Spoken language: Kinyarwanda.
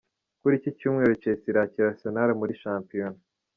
Kuri iki Cyumweru, Chelsea irakira Arsenal muri shampiyona.